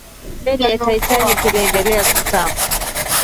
meli ya titanic iliendelea kuzama